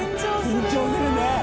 緊張するね。